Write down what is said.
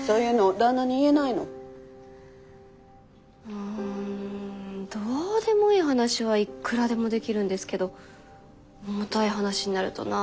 うんどうでもいい話はいくらでもできるんですけど重たい話になるとなんか。